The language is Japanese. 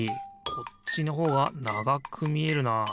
こっちのほうがながくみえるなあ。